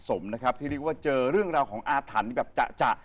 สมนะครับที่เรียกว่าเจอเรื่องราวของอาถรรพ์แบบจะ